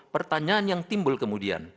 pertanyaan yang timbul kemudian